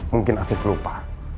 mungkin afif lupa